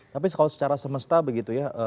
tapi kalau secara semesta begitu ya